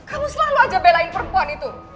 kamu selalu aja belain perempuan itu